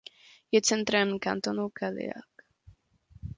Je centrem kantonu Cadillac.